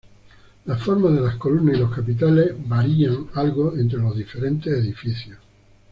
Las formas de las columnas y los capiteles varían algo entre los diferentes edificios.